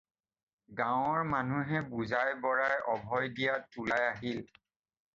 গাৱঁৰ মানুহে বুজাই বৰাই অভয় দিয়াত ওলাই আহিল।